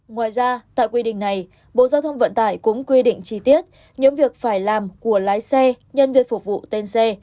ngoài ra tại quy định này bộ giao thông vận tải cũng quy định chi tiết những việc phải làm của lái xe nhân viên phục vụ tên xe